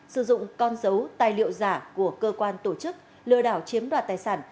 sử dụng con dấu tài liệu giả của cơ quan tổ chức lừa đảo chiếm đoạt tài sản